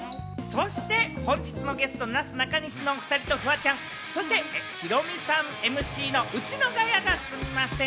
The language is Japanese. そして本日のゲスト、なすなかにしのおふたりと、フワちゃん、そしてヒロミさんＭＣの『ウチのガヤがすみません！』